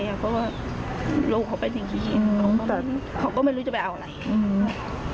เพราะว่าลูกเขาเป็นสิ่งที่คิดแต่เขาก็ไม่รู้จะไปเอาอะไรอืม